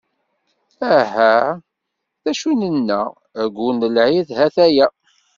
Aha! D acu nenna, aggur n lɛid ha-t-aya.